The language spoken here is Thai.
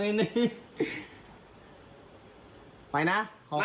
ทำไมล่ะครับ